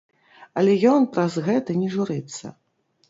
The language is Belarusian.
Але ён праз гэта не журыцца.